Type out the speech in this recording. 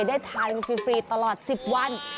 ได้หาอาหารไม่ฟรีตลอด๑๐วัน